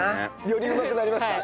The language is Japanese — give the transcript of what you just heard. よりうまくなりますか？